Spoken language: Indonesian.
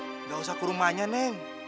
tidak usah ke rumahnya neng